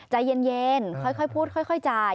ใจเย็นค่อยพูดค่อยจ่าย